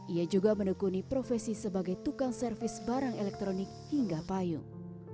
ia juga menekuni profesi sebagai tukang servis barang elektronik hingga payung